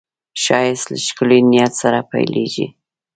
ښایست له ښکلي نیت سره پیلېږي